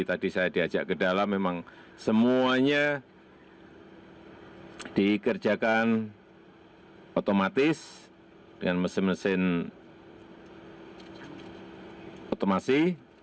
tadi saya diajak ke dalam memang semuanya dikerjakan otomatis dengan mesin mesin otomasi